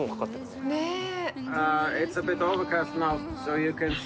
ねえ。